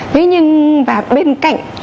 thế nhưng và bên cạnh